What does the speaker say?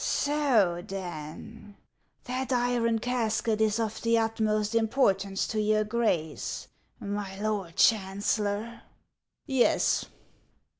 " So, then, that iron casket is of the utmost importance to your Grace, my Lord Chancellor ?"" Yes."